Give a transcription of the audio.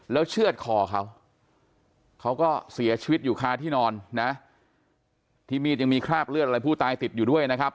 แล้วเชื่อดคอเขาเขาก็เสียชีวิตอยู่คาที่นอนนะที่มีดยังมีคราบเลือดอะไรผู้ตายติดอยู่ด้วยนะครับ